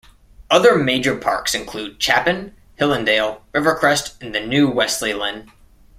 Other major parks include Chapin, Hillendale, Rivercrest, and the new Wesley Lynn.